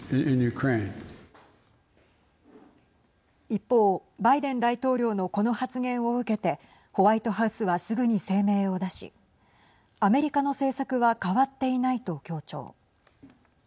一方、バイデン大統領のこの発言を受けてホワイトハウスはすぐに声明を出しアメリカの政策は変わっていないと強調。